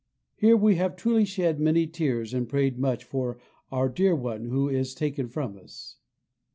Here we have truly shed many tears and prayed much for our dear one who is taken from us.